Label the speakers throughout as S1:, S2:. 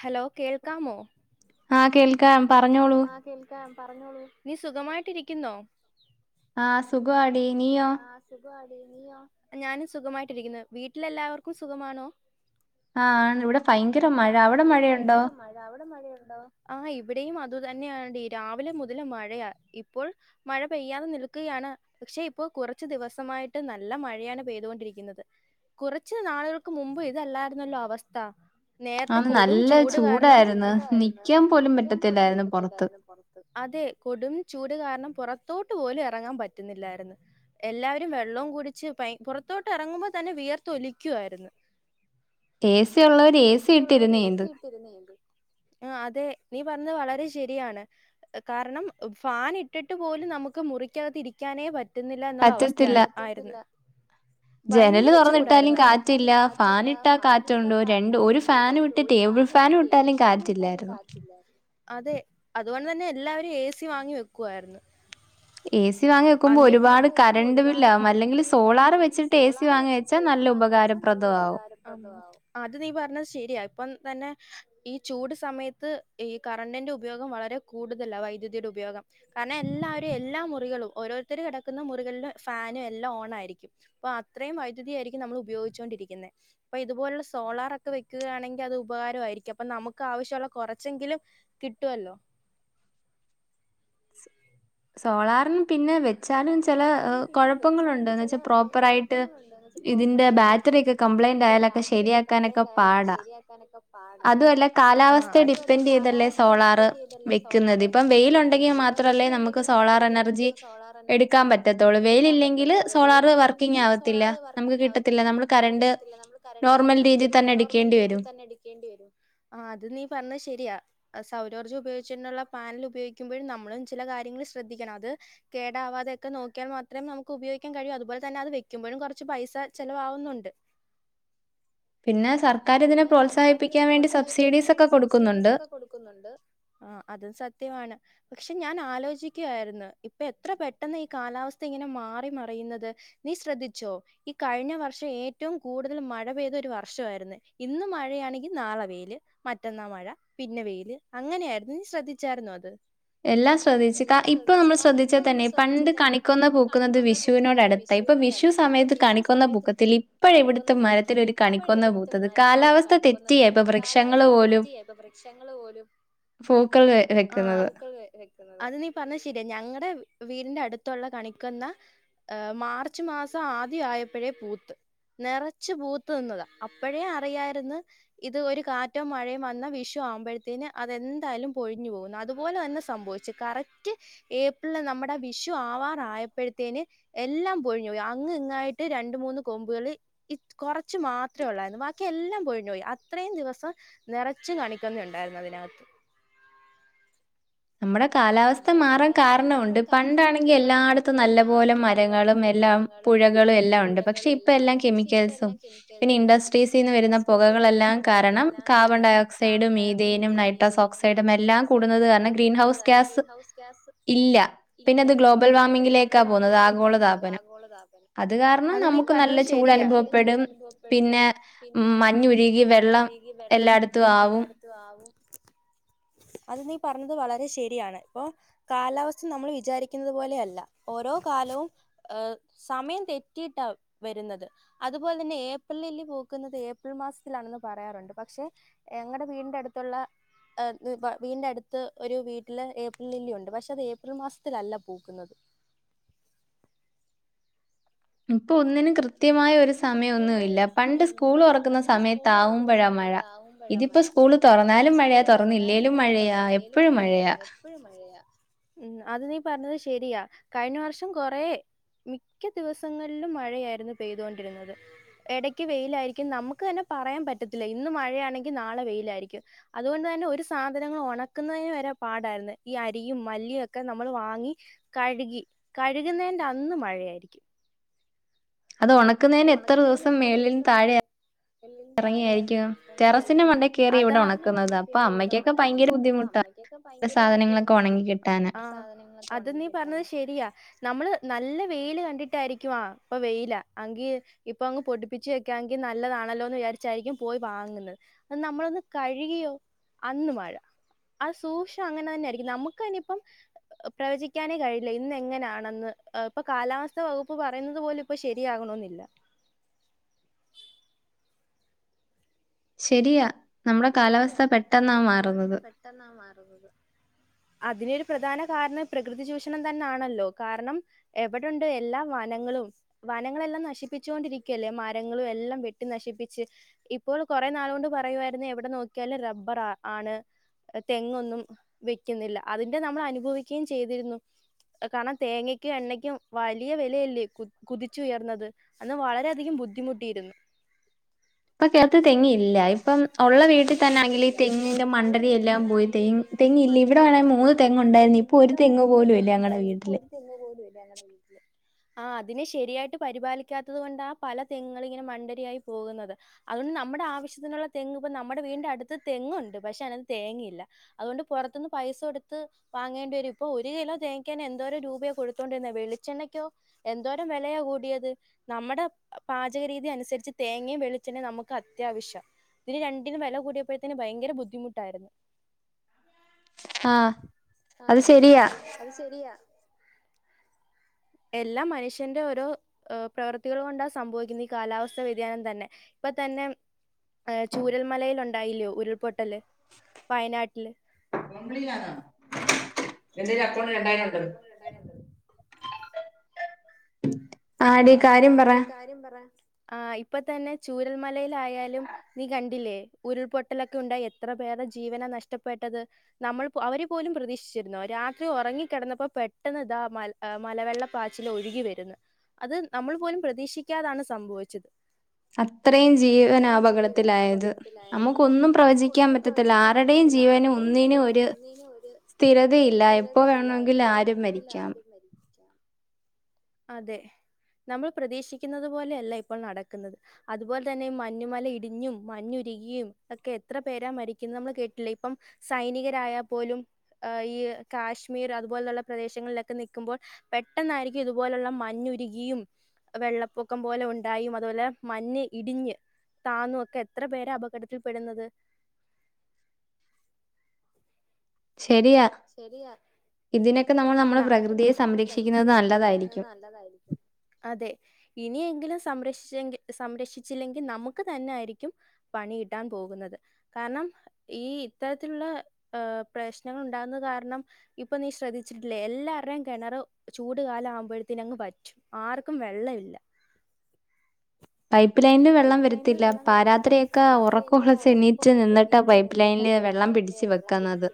S1: Hello കേൾക്കാമോ?
S2: ആഹ് കേൾക്കാം പറഞ്ഞോളൂ?
S1: ക്കാം പറഞ്ഞോളൂ നീ സുഖമായിട്ടിരിക്കുന്നോ
S2: ആഹ് സുഖവാടീ നീയോ
S1: ആഹ് സുഖവാടീ നീയോ ആഹ് ഞാനും സുഖമായിട്ടിരിക്കുന്നു വീട്ടിലെല്ലാവർക്കും സുഖമാണോ
S2: ആഹ് ആണ് ഇവിടെ ഭയങ്കര മഴ അവിടെ മഴയൊണ്ടോ
S1: ദവടെ മഴയൊണ്ടോ ആഹ് ഇവിടേം അതു തന്നെയാണെടീ രാവിലെ മുതല് മഴയാ ഇപ്പോൾ മഴ പെയ്യാതെ നിൽക്കുകയാണ് പക്ഷെ ഇപ്പോ കുറച്ചു ദിവസമായിട്ട് നല്ല മഴയാണ് പെയ്തുകൊണ്ടിരിക്കുന്നത് കുറച്ച് നാളുകൾക്ക് മുമ്പ് ഇതല്ലായിരുന്നല്ലോ അവസ്ഥ നേരത്തെ കൊടും ചൂട് കാരണം ആഹ് ഭയങ്കര ചൂടാരുന്ന് നിക്കാൻ പോലും പറ്റത്തില്ലാര്ന്ന് പൊറ അതെ കൊടും ചൂട് കാരണം പൊറത്തോട്ട് പോലും എറങ്ങാൻ പറ്റുന്നില്ലാരുന്നു എല്ലാവരും വെള്ളോം കുടിച്ച് പൈ പൊറത്തോട്ട് എറങ്ങുമ്പോ തന്നെ വിയർത്തൊലിക്കുവായിര്ന്നു
S2: ഏ സി ഒള്ളവര് ഏ സി ഇട്ടിര്ന്നേന്ത്
S1: തിര്ന്നേന്ത് ആഹ് അതെ നീ പർഞ്ഞത് വളരെ ശെരിയാണ് കാരണം ഫാന് ഇട്ടിട്ട് പോലും നമുക്ക് മുറിക്കകത്തിരിക്കാനേ പറ്റ് റ്റുന്നില്ലാന്നുള്ള അവസ്ഥയാണ് പറ്റത്തില്ല ആയിര്ന്ന്
S2: ജെനല് തൊറന്നിട്ടാലും കാറ്റില്ല ഫാനിട്ടാ കാറ്റൊണ്ടോ രണ്ടും ഒര് ഫാനുവിട്ട് ടേബിൾ ഫാനുവിട്ടാലും കാറ്റില്ലായിര്ന്നു
S1: അതെ അതുകൊണ്ട് തന്നെ എല്ലാവരും ഏ സി വാങ്ങി വെക്കുവാരുന്നു
S2: ഏ സി വാങ്ങി വെക്കുമ്പോ ഒരുപാട് കരണ്ട് ബില്ലാവും അല്ലെങ്കില് സോളാറ് വെച്ചിട്ട് ഏ സി വാങ്ങി വെ ച്ചാ നല്ല ഉപകാരപ്രദവാവും
S1: അത് ആവും ആഹ് അത് നീ പറ ഞ്ഞത് ശെരിയാ ഇപ്പം തന്നെ ഈ ചൂട് സമയത്ത് ഈ കരണ്ടിന്റെ ഉപയോഗം വളരെ കൂടുതലാ വൈദ്യുതിയുടെ ഉപയോഗം കാരണം എല്ലാവരും എല്ലാ മുറികളും ഓരോര്ത്തര് കെടക്ക്ന്ന മുറികളില് ഫാനും എല്ലാം ഓണായിരിക്കും അപ്പൊ അത്രേം വൈദ്യുതിയായിരിക്കും നമ്മള് ഉപയോഗിച്ചുകൊണ്ടിരിക്ക്ന്നേ ഇപ്പൊ ഇതുപോലുള്ള സോളാറെ ക്കെ വെക്കുകയാണെങ്കി അത് ഉപകാരവായിരിക്കും അപ്പൊ നമുക്ക് ആവശ്യവൊള്ള കൊറച്ചെങ്കിലും കിട്ടുവല്ലോ
S2: സോളാറിന് പിന്നെ വെ ച്ചാലും ചെല കൊഴപ്പങ്ങളൊണ്ട് എന്നെച്ചാ പ്രോപ്പറായിട്ട് ഇതിന്റെ ബാ
S1: ഇതിന്റെ ബാറ്ററിയക്കെ കംപ്ലൈന്റായാലക്കെ ശെരിയാക്കാനക്കെ പാടാ
S2: അതുവല്ല കാലാവസ്ഥയെ ഡിപ്പെെൻഡ് ചെയ്തല്ലേ സോളാറ് വെക്കുന്നത് ഇപ്പം വെയ്ലൊണ്ടെങ്കി മാത്രല്ലേ നമുക്ക് ക്ക്‌ സോളാറെനർജി എട് ക്കാൻ പറ്റത്തൊള്ളൂ വെയ്ലില്ലെങ്കില് സോളാറ് വർക്കിങ്ങാവത്തില്ല നമുക്ക് കിട്ടത്തില്ല നമ്മള് കരണ്ട് നോർമൽ രീതീ തന്നേട്ക്കേണ്ടി വരും
S1: ന്നെട്ക്കേണ്ടി വെരും ആഹ് അത് നീ പറഞ്ഞത് ശെരിയാ ആഹ് സൗരോർജ്ജം ഉപയോഗിച്ചോണ്ടുള്ള പാനല് ഉപയോഗിക്കുമ്പഴും നമ്മളും ചില കാര്യങ്ങൾ ശ്രദ്ധിക്കണം അത് കേടാവാതെ ക്കെ നോക്ക്യാൽ മാത്രേം നമുക്ക് ഉപയോഗിക്കാൻ കഴിയു അത് പോലെ തന്നെ അത് വെക്ക്മ്പഴും കൊറച്ച് പൈസ ചെലവാവുന്നുണ്ട്
S2: പിന്നെ സർക്കാരിതിനെ പ്രോത്സാഹിപ്പിക്കാൻ വേണ്ടി സബ്സിഡീസക്കെ കൊടുക്കുന്നുണ്ട്
S1: ക്കുന്നുണ്ട് ആഹ് അതും സത്യവാണ് പക്ഷെ ഞാനാലോചിക്കുവാരുന്നു ഇപ്പ എത്ര പെട്ടെന്നാ ഈ കാലാവസ്ഥ ഇങ്ങനെ മാറി മറിയ്ന്നത് നീ ശ്രദ്ധിച്ചോ ഈ കഴിഞ്ഞ വർഷം ഏറ്റോം കൂടുതല് മഴ പെയ്തൊര് വർഷവാരുന്ന് ഇന്ന് മഴയാണെങ്കി നാളെ വെയില് മറ്റന്നാ മഴ പിന്നെ വെയില് അങ്ങനെയാരുന്ന് നീ ശ്രദ്ധിച്ചാരുന്നോ അത്
S2: എല്ലാം ശ്രദ്ധിച്ച് കാ ഇപ്പ നമ്മൾ ശ്രദ്ധിച്ചാ തന്നെ പണ്ട് കണിക്കൊന്ന പൂക്കുന്നത് വിഷുവിനോടട്ത്ത് ആഹ് ഇപ്പം വിഷു സമയത്ത് കണിക്കൊന്ന പൂക്കത്തില്ല ഇപ്പഴാ ഇവിട്ത്തെ മരത്തിലൊരു കണിക്കൊന്ന പൂത്തത് കാ
S1: ഇതിലൊര് കണിക്കൊന്ന പൂത്തത് കാലാവസ്ഥ തെറ്റിയാ ഇപ്പം വൃക്ഷങ്ങള് പോലും
S2: പൂക്കൾവെ വെക്ക്ന്നത്
S1: അത് നീ പറഞ്ഞത് ശെരിയാ ഞങ്ങടെ വീടിന്റെ അടുത്തൊള്ള കണിക്കൊന്ന ഏഹ് മാർച്ച് മാസം ആദ്യം ആയപ്പഴേ പൂത്ത് നെറച്ച് പൂത്ത് നിന്നതാ അപ്പഴേ അറിയാര്ന്ന് ഇത് ഒര് കാറ്റോ മഴേം വന്നാ വിഷു ആമ്പഴത്തേന് അതെന്തായാലും പൊഴിഞ്ഞു പോവുന്ന് അതുപോലെ തന്നെ സംഭവി ച്ച് കറക്റ്റ് ഏപ്രില് നമ്മടെ വിഷു ആവാറായപ്പഴത്തേന് എല്ലാം പൊഴിഞ്ഞു പോയി അങ്ങ് ഇങ്ങായിട്ട് രണ്ട് മൂന്ന് കൊമ്പുകള് ഇത് കൊറച്ച് മാത്രേ ഒള്ളായിരുന്നു ബാ ക്കിയെല്ലാം പോഴിഞ്ഞു പോയി അത്രയും ദിവസം നിറച്ച് കണിക്കൊന്നയുണ്ടായിരുന്നു അതിനാത്ത്
S2: നമ്മടെ കാലാവസ്ഥ മാറാൻ കാരണവൊണ്ട് പണ്ടാണെങ്കി എല്ലാടത്തും നല്ല പോലെ മരങ്ങളും എല്ലാം പുഴകളും എല്ലാവൊണ്ട് പക്ഷെ ഇപ്പം എല്ലാം കെമിക്കൽസും പിന്നെ ഇൻഡസ്ട്രീസിന്ന് വെര്ന്ന പുകകളെല്ലാം കാരണം കാർബൺ ഡൈഓക്സൈഡും മീഥേനും നൈട്രസ് ഓക്സൈഡും എല്ലാം കൂടുന്നത് കാരണം green greenhouse gases ഇല്ലാ പിന്നത് ഗ്ലോബൽ വാമിംഗിലേക്കാ പോകുന്നത് ആഗോളതാപനം അത് കാരണം നമുക്ക് നല്ല ചൂട് അനുഭവപ്പെടും പിന്നെ മ്മ് മഞ്ഞുരുകി വെള്ളം
S1: ഈ വെള്ളം എല്ലാടത്തും ആവും അത് നീ പറഞ്ഞത് വളരെ ശെരിയാണ് ഇപ്പോ കാലാവസ്ഥ നമ്മള് വിചാരിക്കുന്നത് പോലെയല്ല ഓരോ കാലവും ഏഹ് സമയം തെറ്റിയിട്ടാ വെര്ന്നത് അതുപോലെ തന്നെ ഏപ്രിലില്ലി പൂക്കുന്നത് ഏപ്രിൽ മാസത്തിലാണെന്ന് പറയാറ്ണ്ട് പക്ഷേ എങ്ങടെ വീടിന്റടുത്തൊള്ള അത് വാ വീടിന്റടുത്ത് ഒരു വീട്ടില് ഏ പ്രിലില്ലിയൊണ്ട് പക്ഷെ അത് ഏപ്രിൽ മാസത്തിലല്ല പൂക്കുന്നത്
S2: ഉം ഇപ്പൊ ഒന്നിനും കൃ
S1: ഇപ്പൊ ഒന്നിനും കൃത്യമായ ഒരു സമയവൊന്നുവില്ല പണ്ട് സ്കൂള് തൊറക്കുന്ന സമയത്ത് ആവുമ്പ
S2: ഇതിപ്പോ സ്കൂള് തൊറന്നാലും മഴയാ തൊറന്നില്ലേലും മഴയാ എപ്പഴും മഴയാ
S1: എപ്പഴും മഴയാ മ്മ് അത് നീ പറഞ്ഞത് ശെരിയാ കഴിഞ്ഞ വർഷം കൊറേ മിക്ക ദിവസങ്ങളിലും മഴയാര്ന്നു പെയ്തോണ്ടിരുന്നത് ഇടയ്ക്ക് വെയിലാരിക്കും നമുക്ക് തന്നെ പറയാൻ പറ്റത്തില്ല ഇന്ന് മഴയാണെങ്കി നാളെ വെയിലാരിക്കും അതുകൊണ്ട് തന്നെ ഒരു സാധനങ്ങൾ ഒണക്കുന്നതിന് വരെ പാടാരുന്നു ഈ അരിയും മല്ലിയും ഒക്കെ നമ്മള് വാങ്ങി കഴ്കി കഴ്ക്ന്നേന്റന്ന് മഴയാരിക്കും
S2: അത് ഒണക്കുന്നേന് എത്ര ദെവസം മേളിലും താഴേആ
S1: എല്ലെങ്കി താഴെയാ അതാ ടെറസിന്റെ മണ്ടക്ക് കേറി ഇവിടെ ഒണക്കുന്നതാണ് അപ്പൊ അമ്മയ്ക്ക് ഇപ്പം ഭയങ്കര ബുദ്ധിമുട്ടാ ആഹ് സാധനങ്ങള് അത് നീ പറഞ്ഞത് ശെരിയാ നമ്മള് നല്ല വെയ്ല് കണ്ടിട്ടാരിക്കും ആഹ് ഇപ്പ വെയ്ലാ അങ്കി ഇപ്പം അങ്ങ് പൊടിപ്പിച്ച് വെക്കാങ്കി നല്ലതാണല്ലോന്ന് വിചാരിച്ചാരിക്കും പോയി വാങ്ങുന്നത് അത് നമ്മളൊന്ന് കഴുകിയോ അന്ന് മഴ അത് സൂക്ഷം അങ്ങനെ തന്നെയാരിക്കും നമ്മുക്കന്നിപ്പം പ്രവചിക്കാനേ കഴിയില്ല ഇന്ന് എങ്ങനാണെന്ന് ഇപ്പ കാലാവസ്ഥ വകുപ്പ് പറയുന്നത് പോലും ഇപ്പോ ശെരി യാകണോന്നില്ല
S2: ശെരിയാ നമ്മടെ കാലാവസ്ഥ പെട്ടെന്നാ മാറുന്നത്
S1: പെട്ടന്നാ മാറുന്നത് അതിനൊരു പ്രധാന കാരണം പ്രകൃതി ചൂഷണം തന്നാണല്ലോ കാരണം എവിട്ണ്ട് എല്ലാ വനങ്ങളും വനങ്ങളെല്ലാം നശിപ്പിച്ചോണ്ടിരിക്കുവല്ലേ മരങ്ങളും എല്ലാം വെട്ടി നശിപ്പിച്ച് ഇപ്പോൾ കൊറെ നാള് കൊണ്ട് പറയുവാരുന്നേ എവിടെ നോക്കിയാലും റബ്ബറാ ആണ് തെങ്ങൊന്നും വെക്കുന്നില്ല അതിന്റെ നമ്മൾ അനുഭവിക്കുകയും ചെയ്തിരുന്നു കാരണം തേങ്ങക്കും എണ്ണക്കും വലിയ വിലയല്ലേ കുതിച്ചു ഉയർന്നത് അന്ന് വളരെയധികം ബുദ്ധിമുട്ടിയിരുന്നു
S2: ഇപ്പൊ കേൾത്തി തെങ്ങിയില്ല ഇപ്പം ഒള്ള വീട്ടിൽ തന്നെ ആണെങ്കിൽ ഈ തെങ്ങിന്റെ മണ്ടരി എല്ലാം പോയിട്ട് തെ തെങ്ങ് ഇല്ല ഇവിടെ വേണെങ്കി മൂന്ന് തെങ്ങ് ഉണ്ടായിരുന്നെ ഇ ഇപ്പോ ഒരു തെങ്ങ് പോലും ഇല്ല ഞങ്ങടെ വീട്ടില്
S1: തെങ്ങ് പോലും ഇല്ല ഞങ്ങടെ വീട്ടിൽ ആഹ് അതിനെ ശരിയായിട്ട് പരിപാലിക്കാത്തത് കൊണ്ട് ആ പല തെങ്ങും ഇങ്ങനെ മണ്ടരിയായി പോകുന്നത് അതുകൊണ്ട് നമ്മുടെ ആവശ്യത്തിനുള്ള തെങ്ങ് ഇപ്പ നമ്മുടെ വീടിന്റെ അടുത്ത് തെങ്ങുണ്ട് പക്ഷെ അയ്നത് തേങ്ങയില്ല അതുകൊണ്ട് പൊറത്തുന്ന് പൈസ കൊടുത്ത് വാങ്ങേണ്ടി വരും ഇപ്പോ ഒരു കിലോ തേങ്ങക്കെന്നെ എന്തോരം രൂപയോ കൊടുത്തോണ്ടിരുന്നേ വെളിച്ചെണ്ണക്കോ എന്തോരം വെലയാ കൂടിയത് നമ്മുടെ പാചക രീതി അനുസരിച്ച് തേങ്ങയും വെളിച്ചണെ നമുക്ക് അത്യാവശ്യം ഇതിന് രണ്ടിനും വില കൂടിയപ്പോഴത്തേന് ഭയങ്കര ബുദ്ധിമുട്ടായിരുന്നു ആഹ് അത് ശരിയാ എല്ലാം മനുഷ്യന്റെ ഓരോ പ്രവർത്തികൾ കൊണ്ടാണ് സംഭവിക്കുന്നത് ഈ കാലാവസ്ഥാ വ്യതിയാനം തന്നെ ഇപ്പൊ തന്നെ ചൂരൽമലയിൽ ഉണ്ടായില്ലയോ ഉരുൾപൊട്ടല് വയനാട്ടില്
S2: [unintelligible] എന്റെ ഒരു അക്കൗണ്ടിൽ രണ്ടായിരം ഉണ്ട്
S1: [unintelligible]
S2: ആടീ കാര്യം പറ
S1: കാര്യം പറ ആഹ് ഇപ്പൊ തന്നെ ചൂരൽമലയിലായാലും നീ കണ്ടില്ലേ ഉരുൾപൊട്ടലൊക്കെ ഉണ്ടായി എത്ര പേരെ ജീവന നഷ്ടപ്പെട്ടത് നമ്മൾ അവര് പോലും പ്രതീക്ഷിച്ചിരുന്ന രാത്രി ഉറങ്ങിക്കിടന്നപ്പോ പെട്ടെന്ന് ഇതാ മ മലവെള്ളപ്പാച്ചിൽ ഒഴുകി വരുന്നു അത് നമ്മൾ പോലും പ്രതീക്ഷിക്കാതാണ് സംഭവിച്ചത്
S2: അത്രയും ജീവൻ അപകടത്തിലായത് നമുക്കൊന്നും പ്രവചിക്കാൻ പറ്റ
S1: പ്രവചിക്കാൻ പറ്റത്തില്ല ആരുടെയും ജീവനും ഒന്നിനും ഒരു
S2: സ്ഥിരതയില്ല എപ്പോ വേണങ്കിലും ആരും മരിക്കാം
S1: അതെ നമ്മൾ പ്രതീക്ഷിക്കുന്നത് പോലെയല്ല ഇപ്പോൾ നടക്കുന്നത് അതുപോലെ തന്നെ മഞ്ഞുമല ഇടിഞ്ഞും മഞ്ഞുരുകിയും ഒക്കെ എത്ര പേരാ മരിക്കുന്നത് നമ്മള് കേട്ടില്ലേ ഇപ്പം സൈനികരായാൽ പോലും ഈ കാശ്മീർ അതുപോലുള്ള പ്രദേശങ്ങളിലൊക്കെ നിക്കുമ്പോൾ പെട്ടെന്നായിരിക്കും ഇതുപോലെയുള്ള മഞ്ഞുരുകിയും വെള്ളപ്പൊക്കം പോലെ ഉണ്ടായും അതുപോലെ മഞ്ഞ് ഇടിഞ്ഞ് താന്നു ഒക്കെ എത്ര പേര അപകടത്തിൽ പെടുന്നത്
S2: ശെരിയാ
S1: ശരിയാ
S2: ഇതിനൊക്കെ നമ്മൾ നമ്മുടെ പ്രകൃതിയെ സംരക്ഷിക്കുന്നത് നല്ലതായിരിക്കും
S1: അതെ ഇനിയെങ്കിലും സംരക്ഷിച്ചെങ്ക സംരക്ഷിച്ചില്ലെങ്കിൽ നമുക്ക് തന്നെ ആയിരിക്കും പണി കിട്ടാൻ പോകുന്നത് കാരണം ഈ ഇത്തരത്തിലുള്ള പ്രശ്നങ്ങൾ ഉണ്ടവുന്ന കാരണം ഇപ്പൊ നീ ശ്രദ്ധിച്ചിട്ടില്ലേ എല്ലാവരുടെേയും കിണറ് ചൂട് കാലം ആവുമ്പോഴത്തേന അങ്ങ് പറ്റും ആർക്കും വെള്ളം ഇല്ല
S2: പൈപ്പ് ലൈനില് വെള്ളം വരുത്തില്ല പാ രാത്രിയൊക്കെ ഉറക്കൊളച്ച് എണ്ണീറ്റ് നിന്നിട്ട പൈപ്പ് ലൈനില് വെള്ളം പിടിച്ചു വെക്കന്നത്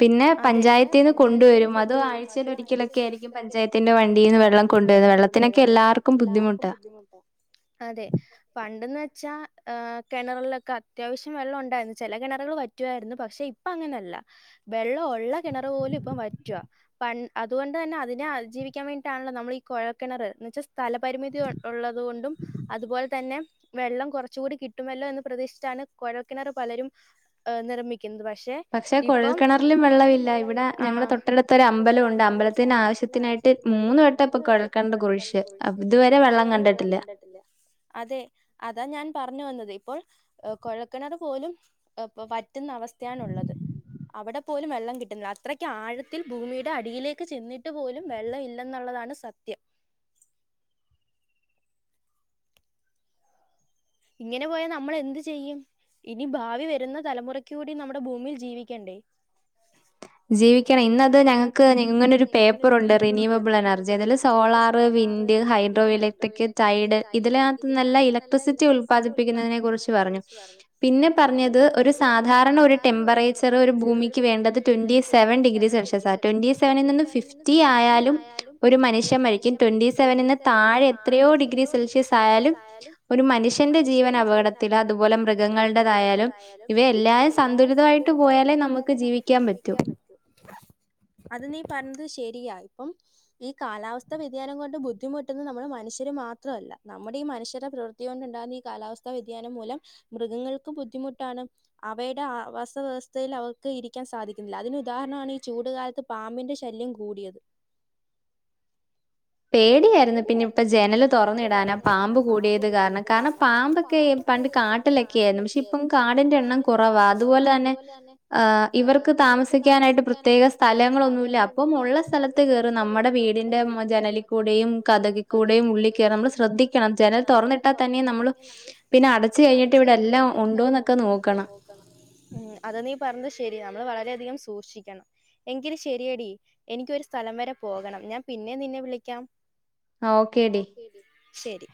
S2: പിന്നെ പഞ്ചായത്തിന്ന് കൊണ്ടുവരും അതോ ആഴ്ചയില ഒരിക്കലൊക്കെ ആയിരിക്കും പഞ്ചായത്തിന്റെ വണ്ടിൽന്ന് വെള്ളം കൊണ്ടുവരുന്നത് വെള്ളത്തി
S1: വെള്ളൊത്തിനൊക്കെ എല്ലർക്കും ബുദ്ധിമുട്ടാ അതെ പ പണ്ട്ന്ന് വെച്ചാ കെണറിലൊക്കെ അത്യാവശ്യം വെള്ളം ഉണ്ടായിരുന്നു ചില കെണറുകൾ വറ്റ്യായിരുന്നു പക്ഷെ ഇ ഇപ്പ അങ്ങനെയല്ല വെള്ളം ഉള്ള കിണർ പോലും ഇപ്പം വറ്റാ പൺ അതുകൊണ്ട് തന്നെ അതിനെ അതിജീവിക്കാൻ വേണ്ടിട്ടാണല്ലോ നമ്മൾ ഈ കൊഴൽക്കിണർ എന്ന് വെച്ചാൽ സ്ഥല പരിമിതി സ്ഥലപരിമിതികൾ ഉള്ളത്കൊണ്ടും അതുപോലെ തന്നെ വെള്ളം കൊർച്ചുംകൂടി കിട്ടുമല്ലോ എന്ന് പ്രതീക്ഷിച്ചാണ് കൊഴൽക്കിണർ പലരും ഹ് നിർമ്മിക്ക്ന്നത് പക്ഷേ പക്ഷെ, ഇപ്പം കൊഴൽക്കിണറിലും വെള്ളമില്ല തൊട്ടടുത്താെരു അമ്പലം ഉണ്ട് അമ്പലത്തിനാവശ്യ വള്ളത്തിനായിട്ട് മൂന്ന് വട്ടം ഇപ്പൊ കൊഴൽക്കിണർ കുഴ്ച്ച് അബ് ഇതുവരെ ആയിട്ടും വള്ളം കണ്ടിട്ടില്ല അതേ അതാ ഞാൻ പർഞ്ഞു വന്നത് ഇപ്പോൾ കൊഴക്കിണർ പോലും ഹ്പ്പം വറ്റ്ന്ന അവസ്ഥയാണുള്ളത് അവിടെ പോലും വെള്ളം കിട്ട്ന്നില്ല അത്രയ്ക്ക് ആഴത്തിൽ ഭൂമിയുടെ അടിയിലേക്ക് ചെന്നിട്ട് പോലും വെള്ളം ഇല്ലെന്നുള്ളതാണ് സത്യം ഇങ്ങനെ പോയാ നമ്മള് എന്ത് ചെയ്യും ഇനി ഭാവി വരുന്ന തലമുറയ്ക്ക് കൂടി നമ്മുടെ ഭൂമിയിൽ ജീവിക്കണ്ടേ
S2: ജീവിക്കണേ, ഇന്നത് ഞങ്ങക്ക്ങ്ങനൊരു പേപ്പറുണ്ട് റനീവബിൾ എനർജലൻസ് solar wind hydro electric tide ഇതിലകത്ത്അല്ല ഇലക്ട്രിസിറ്റി ഉ പാദിപ്പിക്കുന്നതിനെ കുറ്ച്ച് പറഞ്ഞു പിന്നെ പറഞ്ഞത് ഒരു സാധാരണ ഒരു ടെമ്പറേച്ച ർ ഒരു ഭൂമിക്ക് വേണ്ടത് twenty seven degree Celsius twenty സെവനിൽ നിന്ന് ഫിഫ്റ്റി ആയാലും ഒരു മനുഷ്യ മരിക്കും ട്വന്റി സെവനിന്ന് താഴെ എത്രയോ ഡിഗ്രി സെൽഷ്യസ് ആയാലും ഒരു മനുഷ്യന്റെ ജീവന അപകടത്തിലാ അതുപോലെ മൃഗങ്ങൾടേതായാലും ഇവയെ ല്ലാം സന്തുലിതായിട്ട് പോയാലേ നമുക്ക് ജീവിക്കാൻ പറ്റൂ
S1: [inaudible] അത് നീ പർഞ്ഞത് ശെരിയാ ഇപ്പെം ഈ കാലാവസ്ഥാ വ്യതിയാനം കൊണ്ട് ബുദ്ധിമുട്ടുന്നത് നമ്മുടെ മനുഷ്യര് മാത്രഅല്ല നമ്മുടെ ഈ മനുഷ്യരുടെ പ്രവർ ത്തിയോണ്ടു ഉണ്ടാകുന്ന ഈ കാലാവസ്ഥ വ്യതിയാനം മൂലം മൃഗങ്ങൾക്ക് ബുദ്ധിമുട്ടാണ് അവയ്ടെ ആവാസവ്യവസ്ഥയിൽ അവർക്ക് ഇരിക്കാൻ സാധിക്കിന്നില്ല അതിന് ഉദാഹരണമാണ് ഈ ചൂട്കാലത്ത് പാമ്പിന്റെ ശല്യം കൂടിയത്
S2: പേടിയായിരുന്നു പിന്നെ ഇപ്പ ജനല് തൊറന്നിടാനാ പാമ്പ് കൂടിയത് കാരണം കാരണം പാമ്പൊക്കെ
S1: പണ്ട് കാട്ടിലൊക്കെയായിയിരുന്നു പക്ഷെ ഇപ്പം കാടിന്റെ എണ്ണം കുറവാ അതുപോലെ തന്നേ
S2: ആഹ് ഇവർക്ക് താമസിക്കാനായിട്ട് പ്രത്യേക സ്ഥലങ്ങളൊന്നുല്ല്യാ അപ്പോം ഉള്ള സ്ഥല ത്ത് കേറും നമ്മടെ വീടിന്റെ മൊ ജനലി
S1: ജനലി
S2: കതകിക്കൂടെയും ഉള്ളിൽ കേറാംനമ്മൾ ശ്രദ്ധിക്കണം ജനൽ തൊറന്നിട്ടാൽ തന്നെയും നമ്മള് പിന്നെ അടച്ച് കഴിഞ്ഞിട്ട് ഇവിടെ എല്ലാം ഉണ്ടോന്നൊക്കെ നോക്കണം
S1: ഉം അത് നീ പർഞ്ഞത് ശെരിയാ നമ്മള് വളരെയധികം സൂക്ഷിക്കണം എങ്കിൽ ശരിയെടി എനിക്കൊരു സ്ഥലം വരെ പോകണം ഞാൻ പിന്നെ നിന്നെ വിളിക്കാം ഓക്കേ ടി ശെരി